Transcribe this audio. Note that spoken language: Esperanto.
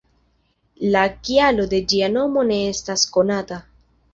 La kialo de ĝia nomo ne estas konata.